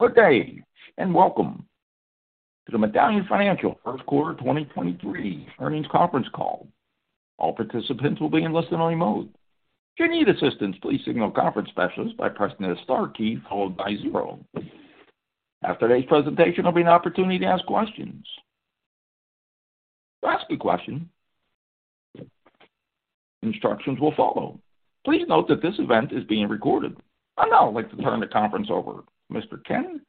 Good day, welcome to the Medallion Financial Q1 2023 earnings conference call. All participants will be in listen-only mode. If you need assistance, please signal a conference specialist by pressing the star key followed by zero. After today's presentation, there'll be an opportunity to ask questions. To ask a question, instructions will follow. Please note that this event is being recorded. I'd now like to turn the conference over Mr. Ken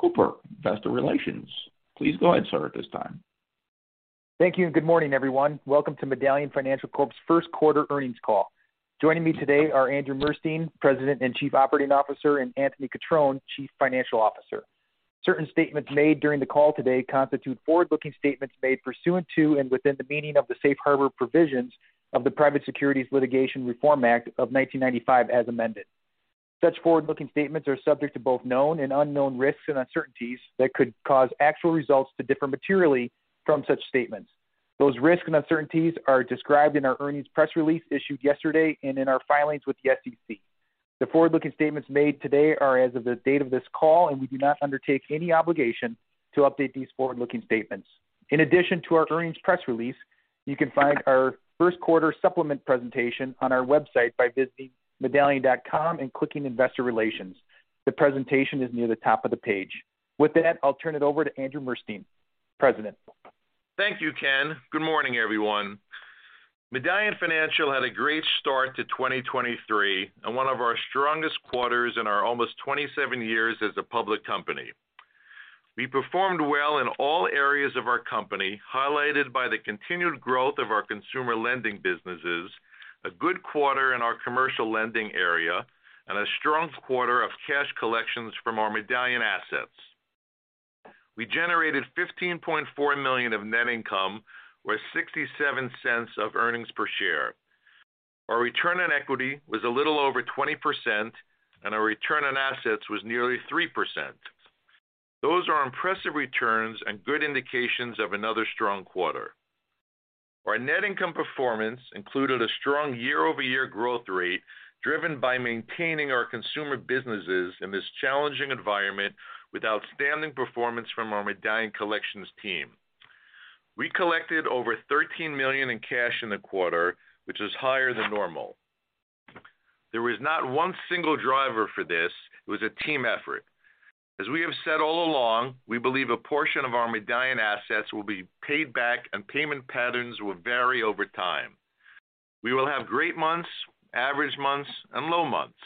Cooper, Investor Relations. Please go ahead, sir, at this time. Thank you and good morning, everyone. Welcome to Medallion Financial Corp's Q1 earnings call. Joining me today are Andrew Murstein, President and Chief Operating Officer, and Anthony Cutrone, Chief Financial Officer. Certain statements made during the call today constitute forward-looking statements made pursuant to and within the meaning of the Safe Harbor provisions of the Private Securities Litigation Reform Act of 1995 as amended. Such forward-looking statements are subject to both known and unknown risks and uncertainties that could cause actual results to differ materially from such statements. Those risks and uncertainties are described in our earnings press release issued yesterday and in our filings with the SEC. The forward-looking statements made today are as of the date of this call, and we do not undertake any obligation to update these forward-looking statements. In addition to our earnings press release, you can find our Q1 supplement presentation on our website by visiting Medallion.com and clicking Investor Relations. The presentation is near the top of the page. With that, I'll turn it over to Andrew Murstein, President. Thank you, Ken. Good morning, everyone. Medallion Financial had a great start to 2023 and one of our strongest quarters in our almost 27 years as a public company. We performed well in all areas of our company, highlighted by the continued growth of our consumer lending businesses, a good quarter in our commercial lending area, and a strong quarter of cash collections from our Medallion assets. We generated $15.4 million of net income or $0.67 of earnings per share. Our return on equity was a little over 20%, and our return on assets was nearly 3%. Those are impressive returns and good indications of another strong quarter. Our net income performance included a strong year-over-year growth rate driven by maintaining our consumer businesses in this challenging environment with outstanding performance from our Medallion collections team. We collected over $13 million in cash in the quarter, which is higher than normal. There was not one single driver for this. It was a team effort. As we have said all along, we believe a portion of our Medallion assets will be paid back and payment patterns will vary over time. We will have great months, average months, and low months.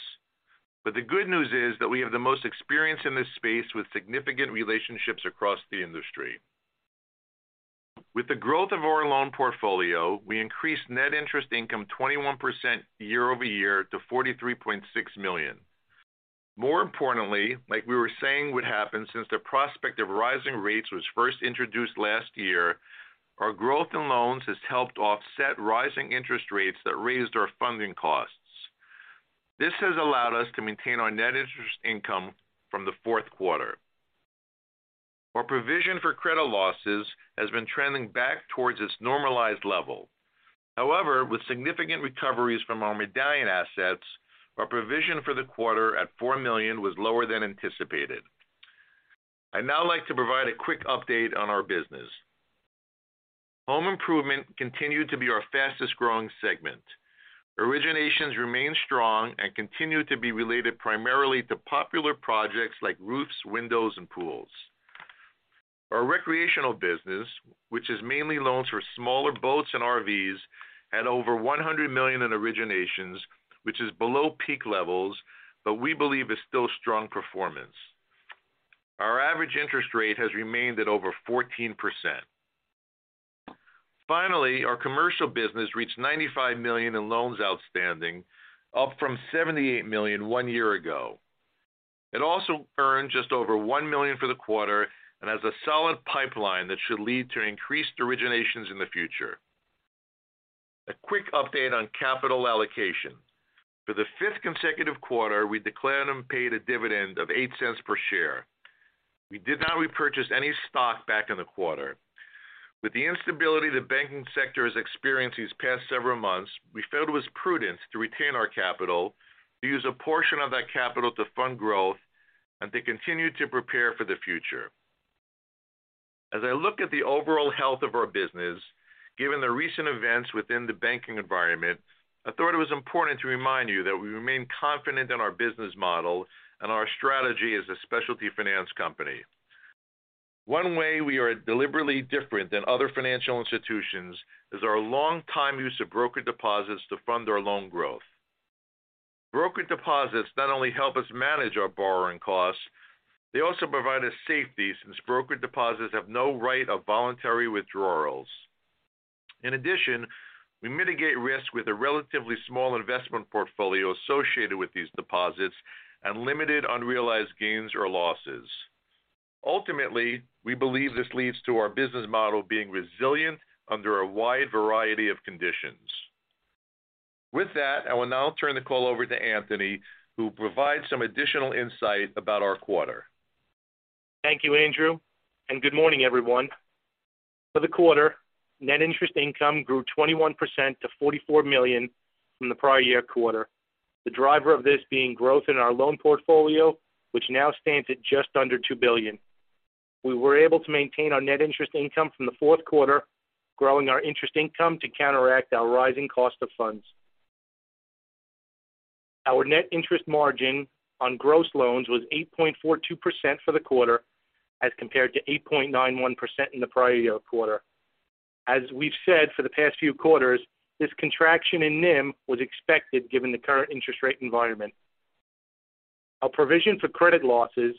The good news is that we have the most experience in this space with significant relationships across the industry. With the growth of our loan portfolio, we increased net interest income 21% year-over-year to $43.6 million. More importantly, like we were saying would happen since the prospect of rising rates was first introduced last year, our growth in loans has helped offset rising interest rates that raised our funding costs. This has allowed us to maintain our net interest income from the Q4. Our provision for credit losses has been trending back towards its normalized level. However, with significant recoveries from our Medallion assets, our provision for the quarter at $4 million was lower than anticipated. I'd now like to provide a quick update on our business. Home improvement continued to be our fastest-growing segment. Originations remain strong and continue to be related primarily to popular projects like roofs, windows, and pools. Our recreational business, which is mainly loans for smaller boats and RVs, had over $100 million in originations, which is below peak levels, but we believe is still strong performance. Our average interest rate has remained at over 14%. Finally, our commercial business reached $95 million in loans outstanding, up from $78 million one year ago. It also earned just over $1 million for the quarter and has a solid pipeline that should lead to increased originations in the future. A quick update on capital allocation. For the fifth consecutive quarter, we declared and paid a dividend of $0.08 per share. We did not repurchase any stock back in the quarter. With the instability the banking sector has experienced these past several months, we felt it was prudence to retain our capital, to use a portion of that capital to fund growth and to continue to prepare for the future. As I look at the overall health of our business, given the recent events within the banking environment, I thought it was important to remind you that we remain confident in our business model and our strategy as a specialty finance company. One way we are deliberately different than other financial institutions is our long time use of broker deposits to fund our loan growth. Broker deposits not only help us manage our borrowing costs, they also provide us safety since broker deposits have no right of voluntary withdrawals. In addition, we mitigate risk with a relatively small investment portfolio associated with these deposits and limited unrealized gains or losses. Ultimately, we believe this leads to our business model being resilient under a wide variety of conditions. With that, I will now turn the call over to Anthony, who will provide some additional insight about our quarter. Thank you, Andrew, and good morning, everyone. For the quarter, net interest income grew 21% to $44 million from the prior year quarter. The driver of this being growth in our loan portfolio, which now stands at just under $2 billion. We were able to maintain our net interest income from the Q4, growing our interest income to counteract our rising cost of funds. Our net interest margin on gross loans was 8.42% for the quarter as compared to 8.91% in the prior year quarter. As we've said for the past few quarters, this contraction in NIM was expected given the current interest rate environment. Our provision for credit losses,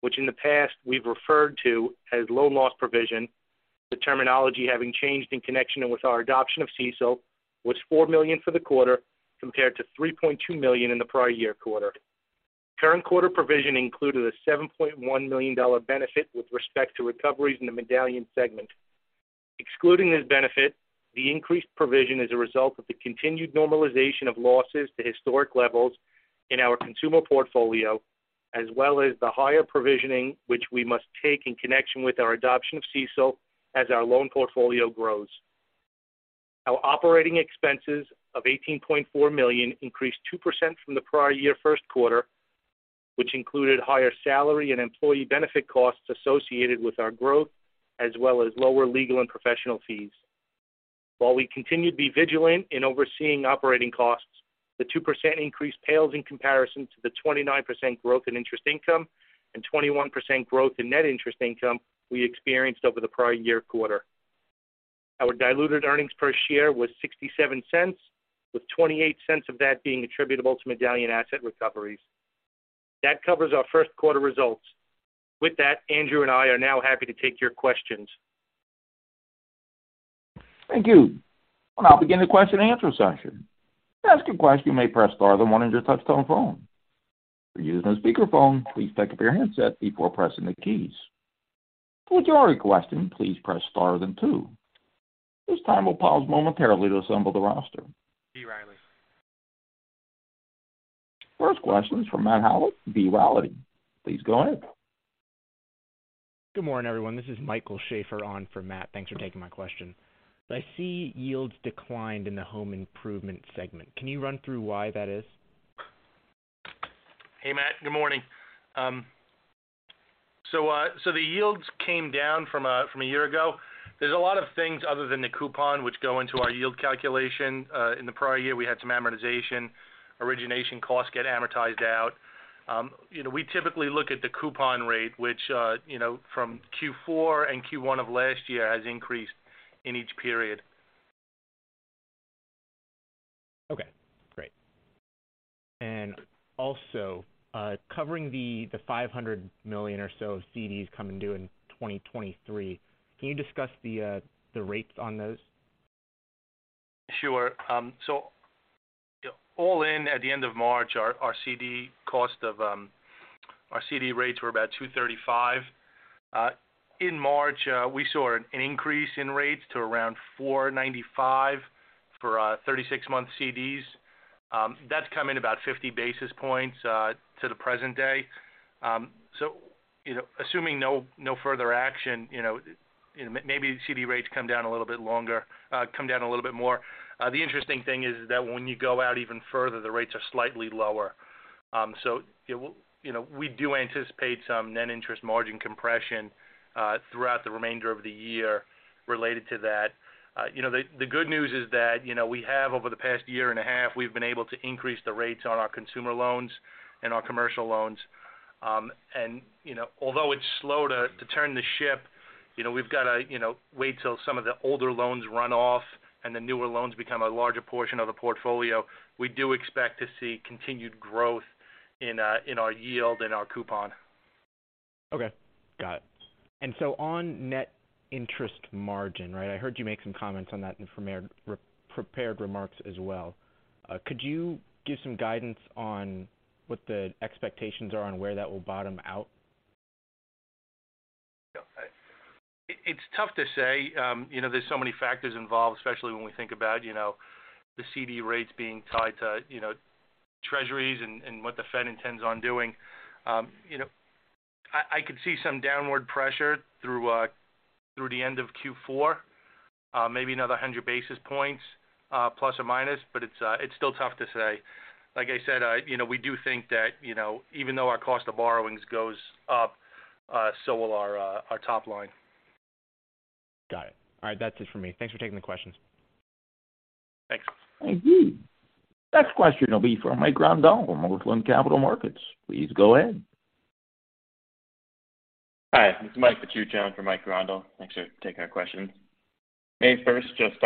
which in the past we've referred to as loan loss provision, the terminology having changed in connection with our adoption of CECL, was $4 million for the quarter compared to $3.2 million in the prior year quarter. Current quarter provision included a $7.1 million benefit with respect to recoveries in the Medallion segment. Excluding this benefit, the increased provision is a result of the continued normalization of losses to historic levels in our consumer portfolio, as well as the higher provisioning which we must take in connection with our adoption of CECL as our loan portfolio grows. Our operating expenses of $18.4 million increased 2% from the prior year Q1, which included higher salary and employee benefit costs associated with our growth, as well as lower legal and professional fees. While we continue to be vigilant in overseeing operating costs, the 2% increase pales in comparison to the 29% growth in interest income and 21% growth in net interest income we experienced over the prior year quarter. Our diluted earnings per share was $0.67, with $0.28 of that being attributable to Medallion asset recoveries. That covers our Q1 results. With that, Andrew and I are now happy to take your questions. Thank you. We'll now begin the question and answer session. To ask a question, you may press star then one on your touchtone phone. If you're using a speakerphone, please pick up your handset before pressing the keys. To withdraw your request, please press star then two. This time we'll pause momentarily to assemble the roster. First question is from Matt Howlett, B. Riley. Please go ahead. Good morning, everyone. This is Michael Schafer on for Matt. Thanks for taking my question. I see yields declined in the home improvement segment. Can you run through why that is? Hey, Mike. Good morning. The yields came down from a year ago. There's a lot of things other than the coupon which go into our yield calculation. In the prior year, we had some amortization, origination costs get amortized out. You know, we typically look at the coupon rate, which, you know, from Q4 and Q1 of last year has increased in each period. Okay, great. Also, covering the $500 million or so of CDs coming due in 2023, can you discuss the rates on those? Sure. All in at the end of March, our CD cost of our CD rates were about 2.35%. In March, we saw an increase in rates to around 4.95% for 36-month CDs. That's come in about 50 basis points to the present day. You know, assuming no further action, you know, maybe CD rates come down a little bit longer, come down a little bit more. The interesting thing is that when you go out even further, the rates are slightly lower. You know, we do anticipate some net interest margin compression throughout the remainder of the year related to that. you know, the good news is that, you know, we have over the past year and a half, we've been able to increase the rates on our consumer loans and our commercial loans. you know, although it's slow to turn the ship, you know, we've got to, you know, wait till some of the older loans run off and the newer loans become a larger portion of the portfolio. We do expect to see continued growth in our yield and our coupon. Okay. Got it. On Net Interest Margin, right, I heard you make some comments on that in re-prepared remarks as well. Could you give some guidance on what the expectations are on where that will bottom out? It's tough to say. You know, there's so many factors involved, especially when we think about, you know, the CD rates being tied to, you know, Treasuries and what the Fed intends on doing. You know, I could see some downward pressure through the end of Q4, maybe another 100 basis points ±, but it's still tough to say. Like I said, you know, we do think that, you know, even though our cost of borrowings goes up, so will our top line. Got it. All right. That's it for me. Thanks for taking the questions. Thanks. Thank you. Next question will be from Mike Grondahl, Northland Capital Markets. Please go ahead. Hi, this is Mike Paciunas in for Mike Grondahl. Thanks for taking our questions. Maybe first, just,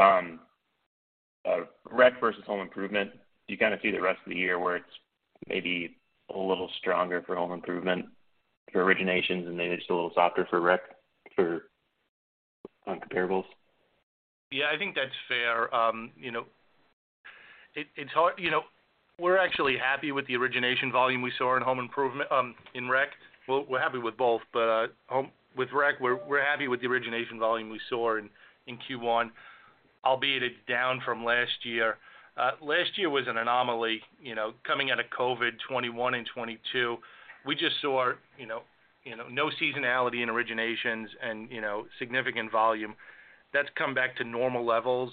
rec versus home improvement. Do you kind of see the rest of the year where it's maybe a little stronger for home improvement for originations and maybe just a little softer for rec for on comparables? Yeah, I think that's fair. You know, it's hard. You know, we're actually happy with the origination volume we saw in home improvement, in rec. We're, we're happy with both, but with rec, we're happy with the origination volume we saw in Q1. Albeit it's down from last year. Last year was an anomaly, you know, coming out of COVID, 2021 and 2022. We just saw, you know, no seasonality in originations and, you know, significant volume. That's come back to normal levels.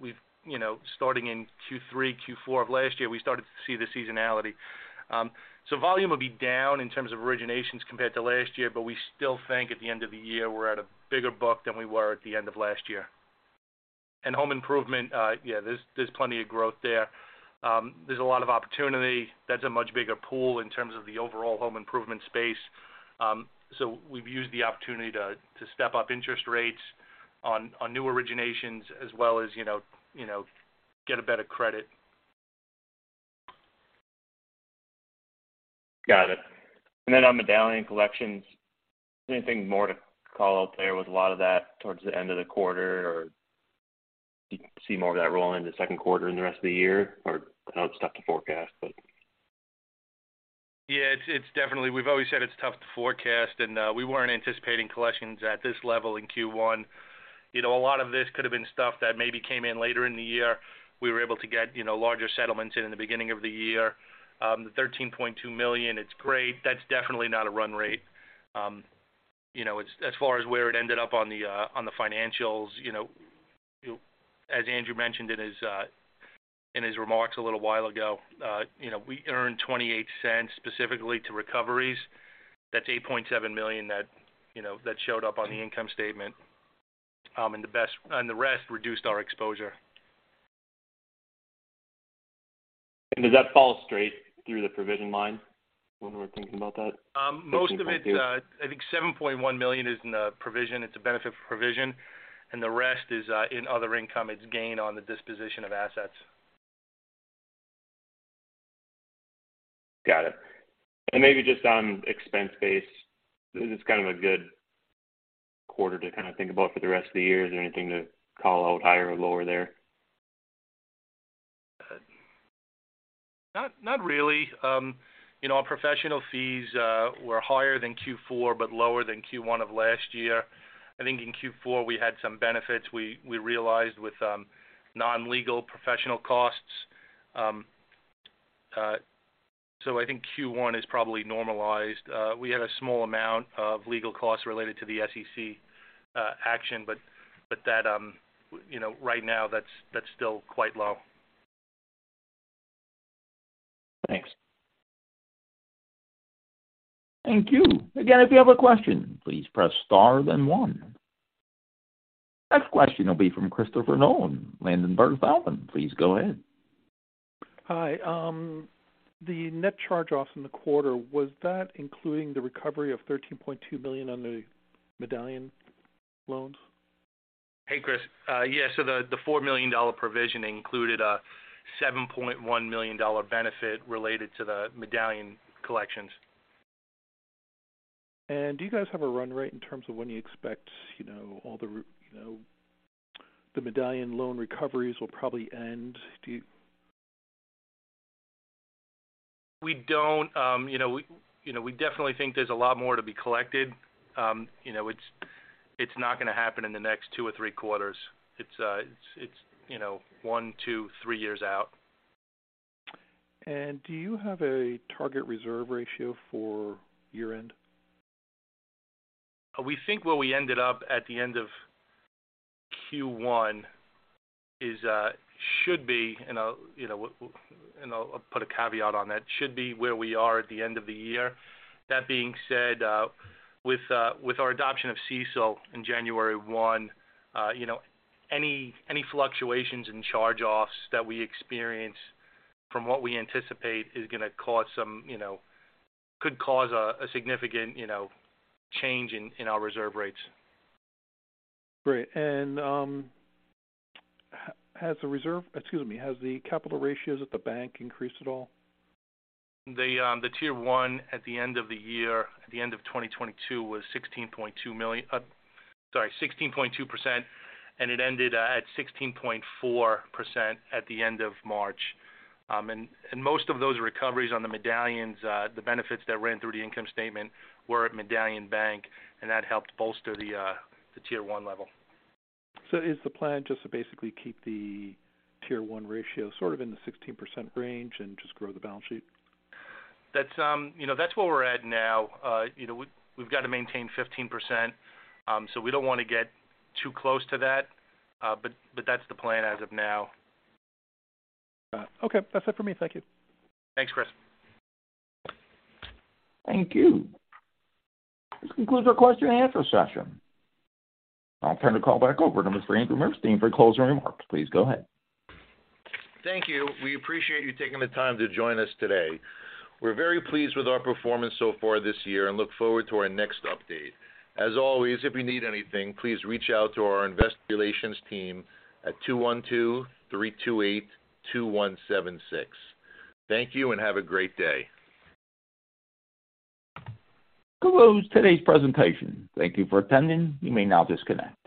We've, you know, starting in Q3, Q4 of last year, we started to see the seasonality. Volume will be down in terms of originations compared to last year, but we still think at the end of the year we're at a bigger book than we were at the end of last year. Home improvement, yeah, there's plenty of growth there. There's a lot of opportunity. That's a much bigger pool in terms of the overall home improvement space. We've used the opportunity to step up interest rates on new originations as well as, you know, get a better credit. Got it. On Medallion collections, anything more to call out there with a lot of that towards the end of the quarter or do you see more of that rolling in the Q2 and the rest of the year? I know it's tough to forecast, but... Yeah, it's definitely. We've always said it's tough to forecast, and we weren't anticipating collections at this level in Q1. You know, a lot of this could have been stuff that maybe came in later in the year. We were able to get, you know, larger settlements in the beginning of the year. The $13.2 million, it's great. That's definitely not a run rate. You know, as far as where it ended up on the financials, you know, as Andrew mentioned in his remarks a little while ago, you know, we earned $0.28 specifically to recoveries. That's $8.7 million that, you know, that showed up on the income statement. The rest reduced our exposure. Does that fall straight through the provision line when we're thinking about that? most of it's. I think $7.1 million is in the provision. It's a benefit for provision, and the rest is in other income. It's gain on the disposition of assets. Got it. Maybe just on expense base. This is kind of a good quarter to kind of think about for the rest of the year. Is there anything to call out higher or lower there? Not really. You know, our professional fees, were higher than Q4 but lower than Q1 of last year. I think in Q4, we had some benefits we realized with, non-legal professional costs. I think Q1 is probably normalized. We had a small amount of legal costs related to the SEC, action, but that, you know, right now that's still quite low. Thanks. Thank you. Again, if you have a question, please press Star then 1. Next question will be from Christopher Nolan, Ladenburg Thalmann. Please go ahead. Hi. The Net Charge-offs in the quarter, was that including the recovery of $13.2 million on the Medallion loans? Hey, Chris. yeah. The $4 million provision included a $7.1 million benefit related to the Medallion collections. Do you guys have a run rate in terms of when you expect, you know, all the you know, the Medallion loan recoveries will probably end? Do you. We don't. you know, we, you know, we definitely think there's a lot more to be collected. you know, it's not gonna happen in the next 2 or 3 quarters. It's, you know, one, two, three years out. Do you have a target reserve ratio for year-end? We think where we ended up at the end of Q1 is should be, and, you know, and I'll put a caveat on that, should be where we are at the end of the year. That being said, with our adoption of CECL in January 1, you know, any fluctuations in Charge-offs that we experience from what we anticipate is gonna cause some, you know, could cause a significant, you know, change in our reserve rates. Great. Excuse me. Has the capital ratios at the bank increased at all? The Tier one at the end of the year, at the end of 2022 was $16.2 million, sorry, 16.2%, and it ended at 16.4% at the end of March. Most of those recoveries on the medallions, the benefits that ran through the income statement were at Medallion Bank, and that helped bolster the Tier 1 level. is the plan just to basically keep the Tier one ratio sort of in the 16% range and just grow the balance sheet? That's, you know, that's where we're at now. You know, we've got to maintain 15%. We don't wanna get too close to that. That's the plan as of now. Got it. Okay, that's it for me. Thank you. Thanks, Chris. Thank you. This concludes our question and answer session. I'll turn the call back over to Mr. Andrew Murstein for closing remarks. Please go ahead. Thank you. We appreciate you taking the time to join us today. We're very pleased with our performance so far this year and look forward to our next update. As always, if you need anything, please reach out to our investor relations team at 212-328-2176. Thank you and have a great day. This concludes today's presentation. Thank you for attending. You may now disconnect.